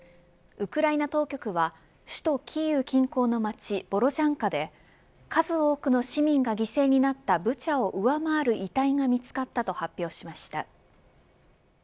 ウクライナ当局は首都キーウ近郊の町ボロジャンカで数多くの市民が犠牲になったブチャを上回る遺体が見つかったと発表しました。